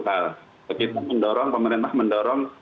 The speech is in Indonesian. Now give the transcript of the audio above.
kita mendorong pemerintah mendorong